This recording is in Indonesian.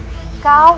dan satu lagi